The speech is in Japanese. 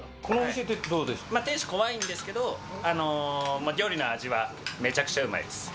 店主怖いんですけど、料理の味はめちゃくちゃうまいです。